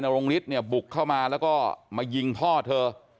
โรงฤทธิเนี่ยบุกเข้ามาแล้วก็มายิงพ่อเธอ